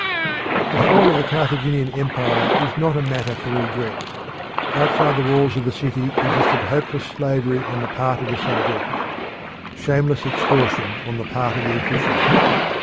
The fall of the Carthaginian empire is not a matter for regret. Outside the walls of the city existed hopeless slavery on the part of the subject, shameless extortion on the part of the officials.